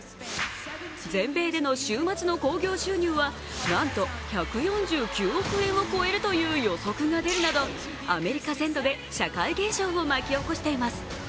全米での週末の興行収入はなん１４９億円を超える予測が出るなどアメリカ全土で社会現象を巻き起こしています